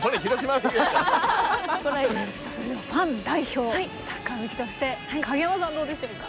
さあそれではファン代表サッカー好きとして影山さんどうでしょうか？